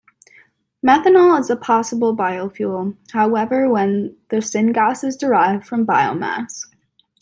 Methanol is a possible biofuel, however when the syngas is derived from biomass.